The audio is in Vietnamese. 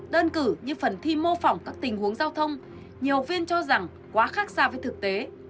đơn cử như phần thi mô phỏng các tình huống giao thông nhiều học viên cho rằng quá khác xa với thực tế